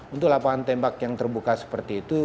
untuk lapangan tembak yang terbuka seperti itu